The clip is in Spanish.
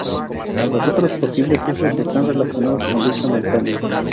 Los otros posibles usos están relacionados con dicha montaña.